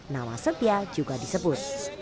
nama setia juga disebut